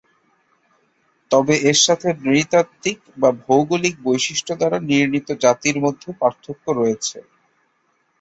তবে এর সাথে নৃতাত্ত্বিক বা ভৌগোলিক বৈশিষ্ট্য দ্বারা নির্ণীত জাতির মধ্যে পার্থক্য রয়েছে।